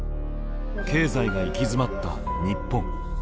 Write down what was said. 経済が行き詰まった日本。